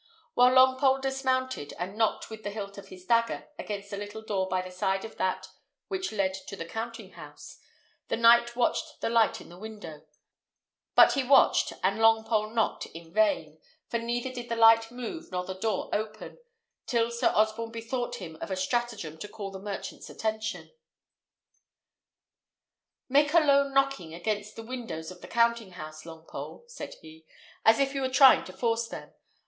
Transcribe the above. While Longpole dismounted, and knocked with the hilt of his dagger against a little door by the side of that which led to the counting house, the knight watched the light in the window; but he watched and Longpole knocked in vain; for neither did the light move nor the door open, till Sir Osborne bethought him of a stratagem to call the merchant's attention. "Make a low knocking against the windows of the counting house, Longpole," said he, "as if you were trying to force them.